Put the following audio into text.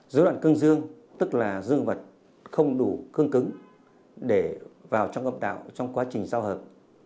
dối loạn cương dương tức là dương vật không đủ cương cứng để vào trong gọp đạo trong quá trình giao hợp